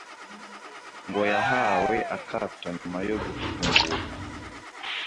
Ngo yahawe akato nyuma yo gufungurwa